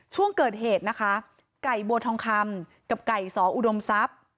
ช่วงเกิดเหตุนะคะไก่บัวทองคำกับไก่สออุดมทรัพย์